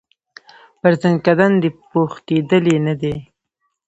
پر زکندن دي پوښتېدلی نه دی